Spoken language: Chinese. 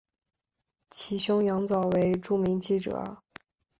其兄羊枣为著名记者。